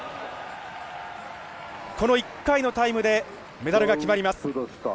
この１回のタイムでメダルが決まります。